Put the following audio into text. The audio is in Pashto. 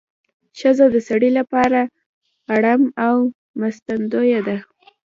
ښځه د سړي لپاره اړم او مرستندویه ده